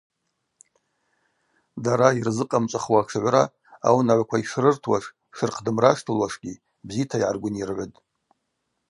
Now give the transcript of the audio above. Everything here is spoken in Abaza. Дара йырзыкъамчӏвахуа йтшыгӏвра аунагӏваква йшрыртуаш шырхъдымраштылуашгьи бзита йгӏаргвынйыргӏвытӏ.